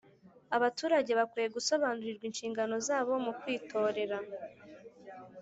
abaturage bakwiye gusobanurirwa inshingano zabo mu kwitorera